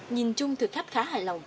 nhìn chung thực khách khá hài lòng